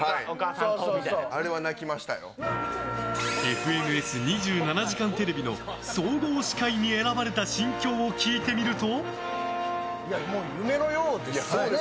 「ＦＮＳ２７時間テレビ」の総合司会に選ばれた心境を聞いてみると。